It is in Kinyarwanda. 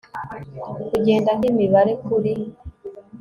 kugenda nkimibare kuri